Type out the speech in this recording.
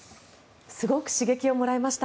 すごく刺激をもらいました